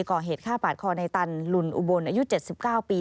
ก่อเหตุฆ่าปาดคอในตันลุนอุบลอายุ๗๙ปี